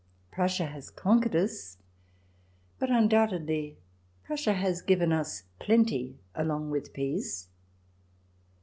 Prussia has conquered us, but undoubtedly Prussia has given us plenty along with peace.